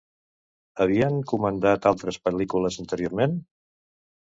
Havien comandat altres pel·lícules, anteriorment?